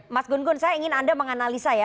mas gun gun saya ingin anda menganalisa ya